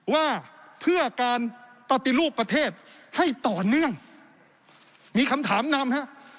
ว่าเพื่อการปฏิรูปประเทศให้ต่อเนื่องมีคำถามนำฮะ